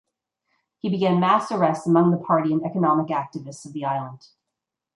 He began mass arrests among the party and economic activists of the island.